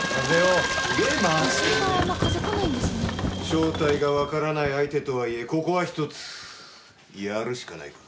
正体がわからない相手とはいえここはひとつやるしかないか。